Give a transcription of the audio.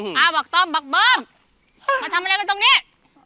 ป้าบังต้มบัพเบิ้ลมันทำอะไรมาตรงเนี้ย